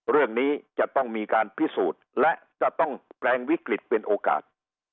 เรื่องนี้จะต้องมีการพิสูจน์และจะต้องแปลงวิกฤตเป็นโอกาส